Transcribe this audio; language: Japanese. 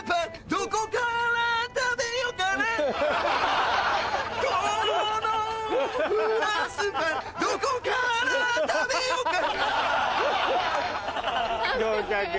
どこから食べよか合格。